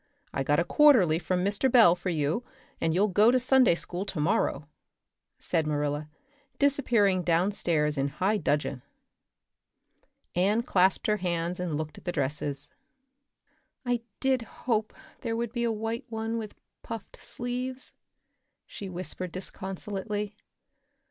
I got a quarterly from Mr. Bell for you and you'll go to Sunday school tomorrow," said Marilla, disappearing downstairs in high dudgeon. Anne clasped her hands and looked at the dresses. "I did hope there would be a white one with puffed sleeves," she whispered disconsolately.